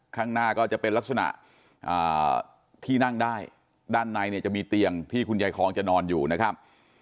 ข้างหน้าก็จะเป็นลักษณะที่นั่งได้ด้านในเนี่ยจะมีเตียงที่คุณยายคองจะนอนอยู่นะครับ